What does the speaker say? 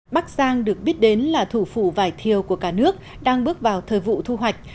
bắc giang được biết đến là thủ phủ vải thiều của cả nước đang bước vào thời vụ thu hoạch